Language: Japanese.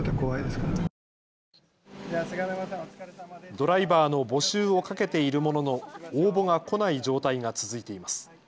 ドライバーの募集をかけているものの応募が来ない状態が続いています。